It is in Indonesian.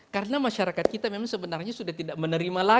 karena masyarakat kita memang sebenarnya sudah tidak menerima itu